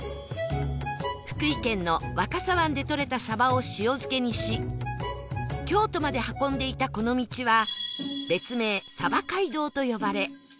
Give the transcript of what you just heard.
福井県の若狭湾でとれた鯖を塩漬けにし京都まで運んでいたこの道は別名鯖街道と呼ばれ